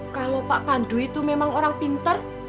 kalau pak pandu itu memang orang pintar